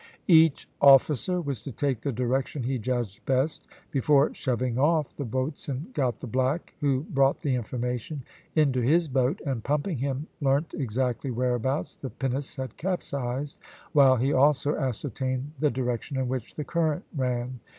Each officer was to take the direction he judged best. Before shoving off the boatswain got the black, who brought the information, into his boat, and pumping him learnt exactly whereabouts the pinnace had capsized, while he also ascertained the direction in which the current ran.